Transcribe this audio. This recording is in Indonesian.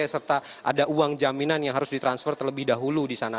serta ada uang jaminan yang harus ditransfer terlebih dahulu di sana